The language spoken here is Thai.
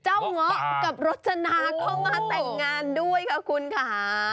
เจ้าหงอกกับรถชนะเข้ามาแต่งงานด้วยค่ะคุณค่ะ